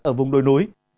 ở vùng đồi núi